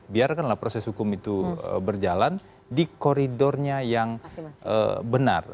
biarkanlah proses hukum itu berjalan di koridornya yang benar